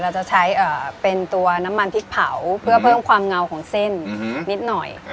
เราจะใช้เป็นตัวน้ำมันพริกเผาเพื่อเพิ่มความเงาของเส้นนิดหน่อย